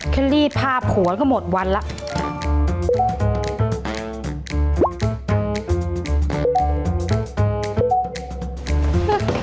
แค่รีดพาบหัวก็หมดวันแล้ว